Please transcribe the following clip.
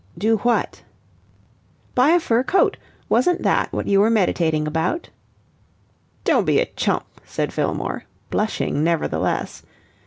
"Do what?" "Buy a fur coat. Wasn't that what you were meditating about?" "Don't be a chump," said Fillmore, blushing nevertheless.